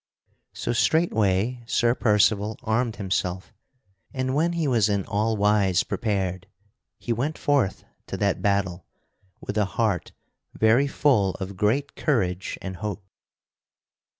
So straightway Sir Percival armed himself, and when he was in all wise prepared he went forth to that battle with a heart very full of great courage and hope.